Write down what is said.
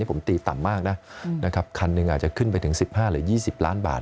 ผมตีต่ำมากนะนะครับคันหนึ่งอาจจะขึ้นไปถึง๑๕หรือ๒๐ล้านบาท